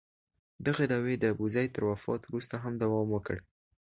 دغه دعوې د ابوزید تر وفات وروسته هم دوام وکړ.